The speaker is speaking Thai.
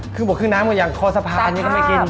ครึ่งบกครึ่งน้ำก็อย่างคอสะพานก็ไม่กิน